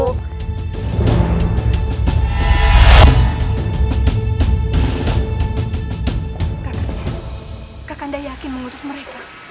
kakaknya kakak anda yakin mengutus mereka